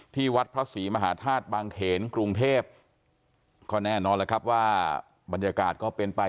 ที่วัดพระศรีมหาธาตุบางเขนกรุงเทพก็แน่นอนแล้วครับว่าบรรยากาศก็เป็นไป